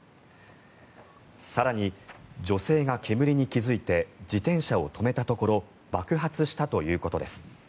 更に、女性が煙に気付いて自転車を止めたところ爆発したということです。